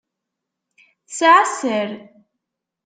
Tesεa sser.